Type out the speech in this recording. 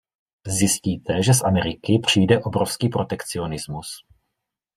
Zjistíte, že z Ameriky přijde obrovský protekcionismus.